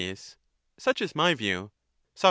Such is my view. Soc.